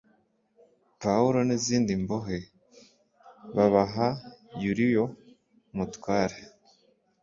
pawulo n izindi mbohe babaha yuliyo umutware